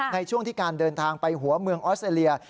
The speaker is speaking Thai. ในช่วงที่การเดินทางไปหัวเมืองออสเตรเลีย